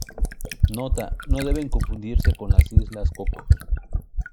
Nota, no deben confundirse con las islas cocos.